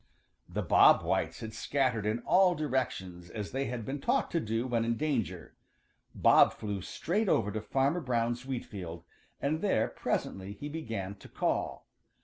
The Bob Whites had scattered in all directions as they had been taught to do when in danger. Bob flew straight over to Farmer Brown's wheat field, and there presently he began to call.